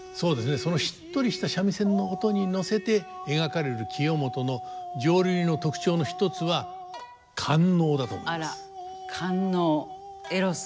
そのしっとりした三味線の音に乗せて描かれる清元の浄瑠璃の特徴の一つはあら。